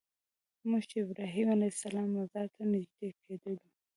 موږ چې ابراهیم علیه السلام مزار ته نږدې کېدلو.